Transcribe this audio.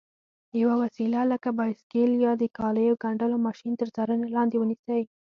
یوه وسیله لکه بایسکل یا د کالیو ګنډلو ماشین تر څارنې لاندې ونیسئ.